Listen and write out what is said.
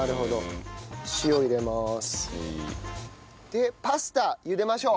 でパスタ茹でましょう。